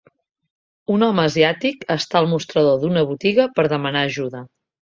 Un home asiàtic està al mostrador d'una botiga per demanar ajuda